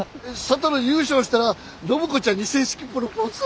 智優勝したら暢子ちゃんに正式プロポーズ！